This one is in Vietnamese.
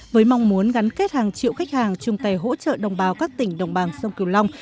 với mong muốn gắn kết hàng triệu khách hàng chung tay hỗ trợ đồng bào các tỉnh đồng bằng sông kiều long